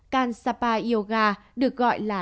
kansapa yoga được gọi là